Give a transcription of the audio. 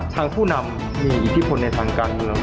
ทางผู้นำมีอิทธิพลในการเงิน